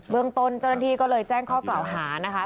เมืองต้นเจ้าหน้าที่ก็เลยแจ้งข้อกล่าวหานะคะ